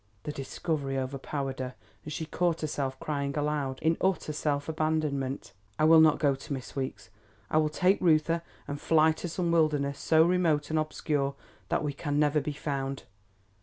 The discovery overpowered her and she caught herself crying aloud in utter self abandonment: "I will not go to Miss Weeks. I will take Reuther and fly to some wilderness so remote and obscure that we can never be found."